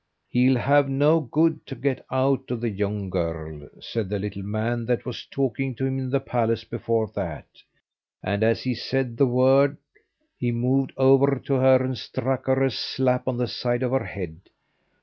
"He'll have no good to get out of the young girl," said the little man that was talking to him in the palace before that, and as he said the word he moved over to her and struck her a slap on the side of the head.